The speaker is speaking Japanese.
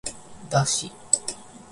だし